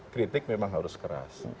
kritik memang harus keras